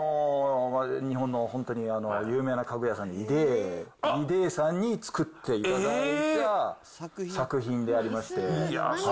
日本の本当に有名な家具屋さん、ＩＤＥＥさんに作っていただいた作品でありまして。